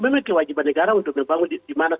memiliki kewajiban negara untuk membangun di mana